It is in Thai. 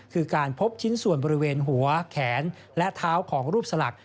คือการพบชิ้นส่วนบริเวณหัวแขนและเท้าของรูปสลัก